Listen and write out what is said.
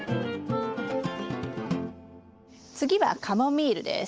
次はカモミールです。